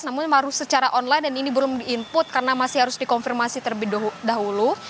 namun secara online dan ini belum di input karena masih harus dikonfirmasi terlebih dahulu